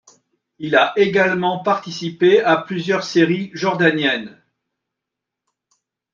Il a également participé à plusieurs séries Jordaniennes.